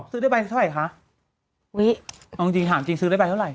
ซื้อได้ใบเท่าไหร่คะวิเอาจริงถามจริงซื้อได้ใบเท่าไหร่